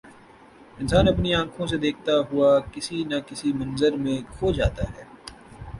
انسان اپنی آنکھوں سے دیکھتا ہوا کسی نہ کسی منظر میں کھو جاتا ہے